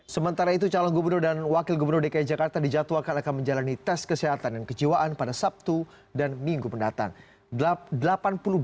sementara itu calon gubernur dan wakil gubernur dki jakarta dijadwalkan akan menjalani tes kesehatan dan kejiwaan pada sabtu dan minggu mendatang